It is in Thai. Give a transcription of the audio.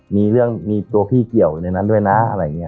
มีเรื่องมีตัวพี่เกี่ยวในนั้นด้วยนะอะไรอย่างนี้